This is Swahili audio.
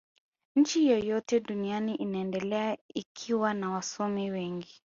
nchi yoyote duniani inaendelea ikiwa na wasomi wengi